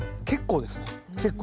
結構です。